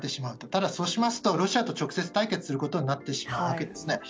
ただそうしますとロシアと直接対決することになってしまうわけですね。